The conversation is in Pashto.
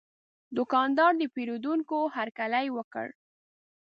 دوکاندار د پیرودونکي هرکلی وکړ.